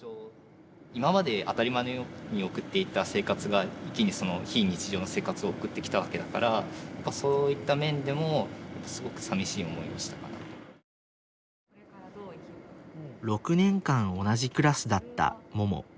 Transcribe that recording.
今まで当たり前のように送っていた生活が一気にその非日常の生活を送ってきたわけだからそういった面でも６年間同じクラスだったもも。